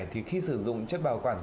thì khi sử dụng chất bảo quản